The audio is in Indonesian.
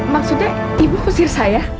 maksudnya ibu pesir saya